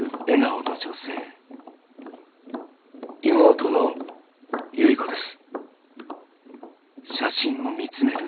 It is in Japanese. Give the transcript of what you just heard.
妹の有依子です。